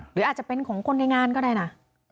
หรืออาจจะเป็นของคนในงานก็ได้นะ